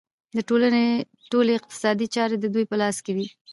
د ټولنې ټولې اقتصادي چارې د دوی په لاس کې دي